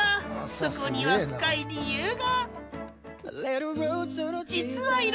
そこには深い理由が。